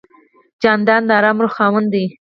جانداد د آرام روح خاوند دی.